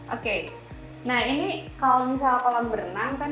oke nah ini kalau misalnya kolam berenang kan